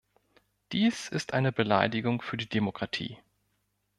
Dies ist eine Beleidigung für die Demokratie.